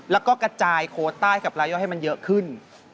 แล้วก็กระจายโคต้ากับรายย่อยให้มันเยอะขึ้น